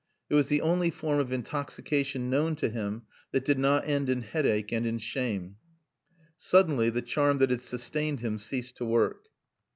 It was the only form of intoxication known to him that did not end in headache and in shame. Suddenly the charm that had sustained him ceased to work.